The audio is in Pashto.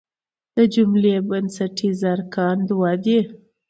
د جملې بنسټیز ارکان دوه دي.